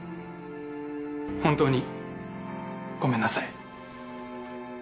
本当にごめんなさい。